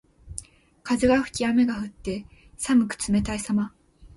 風が吹き雨が降って、寒く冷たいさま。